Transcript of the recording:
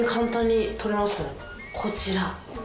こちら。